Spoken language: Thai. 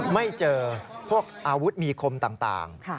ไม่เจอพวกอาวุธมีคมต่าง